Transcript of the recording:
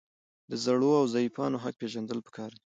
د زړو او ضعیفانو حق پیژندل پکار دي.